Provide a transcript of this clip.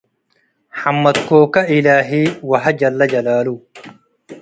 ሐመድኮከ ኢላሂ- ወሀ ጀላጀላሉ